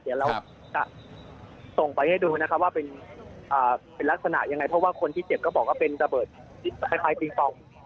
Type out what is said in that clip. เดี๋ยวเราจะส่งไปให้ดูนะครับว่าเป็นลักษณะยังไงเพราะว่าคนที่เจ็บก็บอกว่าเป็นระเบิดคล้ายปิงปอง